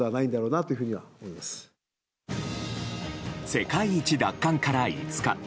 世界一奪還から５日。